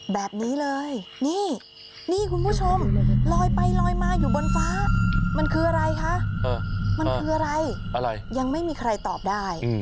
แบบนี้เลยนี่นี่คุณผู้ชมลอยไปลอยมาอยู่บนฟ้ามันคืออะไรคะมันคืออะไรอะไรยังไม่มีใครตอบได้